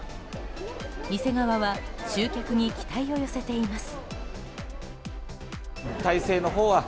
店側は集客に期待を寄せています。